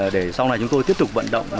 để sau này chúng tôi tiếp tục vận động